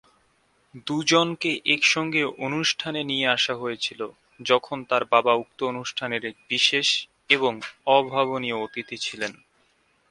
দু'জনকে একসঙ্গে অনুষ্ঠানে নিয়ে আসা হয়েছিল, যখন তার বাবা উক্ত অনুষ্ঠানের এক বিশেষ এবং অভাবনীয় অতিথি ছিলেন।